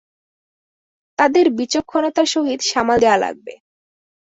তাদের বিচক্ষণতার সহিত সামাল দেয়া লাগবে।